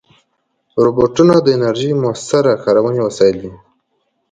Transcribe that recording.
روبوټونه د انرژۍ مؤثره کارونې وسایل دي.